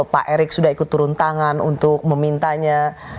pak erick sudah ikut turun tangan untuk memintanya